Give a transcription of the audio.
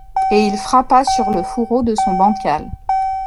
Et il frappa sur le fourreau de son bancal.